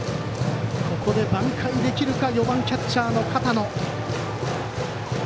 ここで挽回できるか４番、キャッチャーの片野。